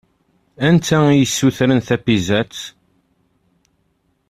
Anta i yessutren tapizzat?